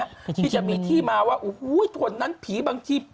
ที่จะมีที่มาว่าโอ้โหถนนั้นผีบางที